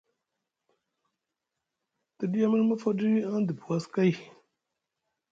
Te ɗiya mini mofoɗi an dibi was kay,